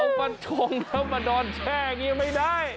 เอาพันชงแล้วมาดอนแช่ก็ยังไม่ได้